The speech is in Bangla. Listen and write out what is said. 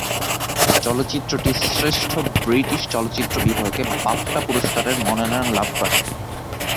চলচ্চিত্রটি শ্রেষ্ঠ ব্রিটিশ চলচ্চিত্র বিভাগে বাফটা পুরস্কারের মনোনয়ন লাভ করে।